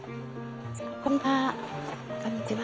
こんにちは。